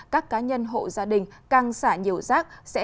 các cá nhân hộ gia đình càng xả nhiều rác